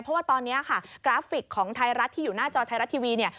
เพราะว่าตอนนี้ค่ะกราฟิกของไทยรัฐที่อยู่หน้าจอไทยรัฐทีวีเนี่ย